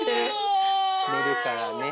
寝るからね。